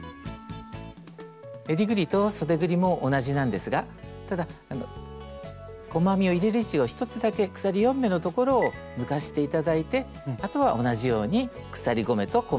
えりぐりとそでぐりも同じなんですがただ細編みを入れる位置を１つだけ鎖４目の所を抜かして頂いてあとは同じように鎖５目と細編みを編んでいきます。